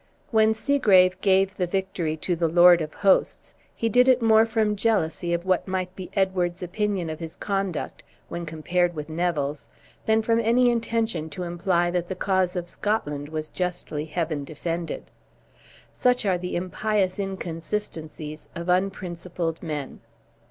When Segrave gave the victory to the Lord of Hosts, he did it more from jealousy of what might be Edward's opinion of his conduct, when compared with Neville's, than from any intention to imply that the cause of Scotland was justly Heaven defended. Such are the impious inconsistencies of unprincipled men!